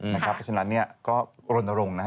เพราะฉะนั้นก็รณรงค์นะฮะ